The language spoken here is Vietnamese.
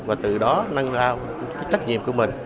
và từ đó nâng ra trách nhiệm của mình